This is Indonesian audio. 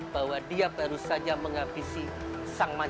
bahwa dia baru saja menghabisi sangkutnya